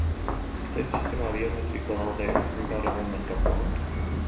Zein sistema biometriko daude gaur egun merkatuan?